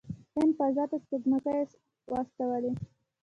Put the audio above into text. هند فضا ته سپوږمکۍ واستولې.